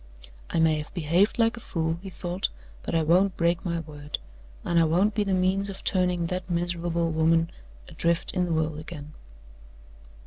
"I may have behaved like a fool," he thought, "but I won't break my word; and I won't be the means of turning that miserable woman adrift in the world again."